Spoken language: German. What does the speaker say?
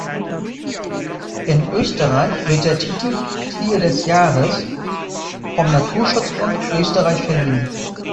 In Österreich wird der Titel Tier des Jahres vom Naturschutzbund Österreich verliehen.